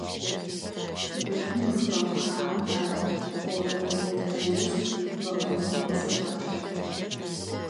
Былым къызыхэхъуагъэм раӀо: «Огъурылы тхьэ ешӀ!», «Бэгъонэу къесэӀуалӀэ.».